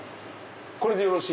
これでよろしい？